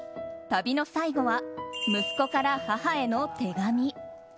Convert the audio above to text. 旅の最後は息子から母への手紙。